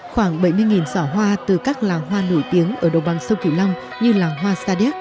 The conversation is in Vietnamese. khoảng bảy mươi sỏ hoa từ các làng hoa nổi tiếng ở đồng bằng sông kiều long như làng hoa sa đéc